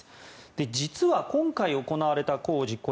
実は今回行われた工事これ